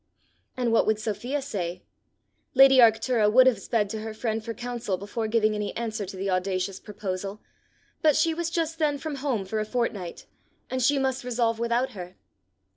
And what would Sophia say? Lady Arctura would have sped to her friend for counsel before giving any answer to the audacious proposal, but she was just then from home for a fortnight, and she must resolve without her!